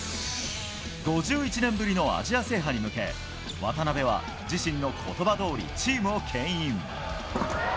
５１年ぶりのアジア制覇に向け、渡邊は、自身のことばどおり、チームをけん引。